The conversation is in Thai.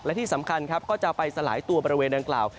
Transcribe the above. และที่สำคัญครับก็จะไปสลายตัวบริเวณดังกล่าว